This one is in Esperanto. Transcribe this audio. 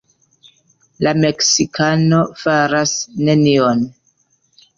La meksikano faras nenion.